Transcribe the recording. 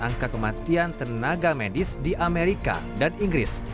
angka kematian tenaga medis di amerika dan inggris